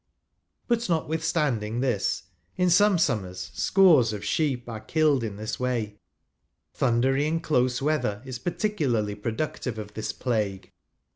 But, notv/ithstauding this, in some summers scores of sheep are killed in this way : thundery and close weather is peculiarly productive of this plague.